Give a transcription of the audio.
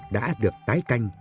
đã được tái canh